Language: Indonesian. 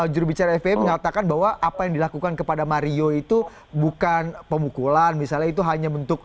jurubicara fpi mengatakan bahwa apa yang dilakukan kepada mario itu bukan pemukulan misalnya itu hanya bentuk